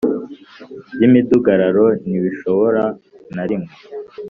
By imidugararo ntibishobora na rimwe